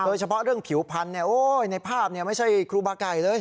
โดยเฉพาะเรื่องผิวพันธุ์ในภาพไม่ใช่ครูบาไก่เลย